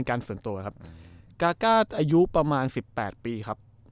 กากาอายุประมาณสิบแปดปีครับ